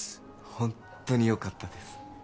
ホントによかったです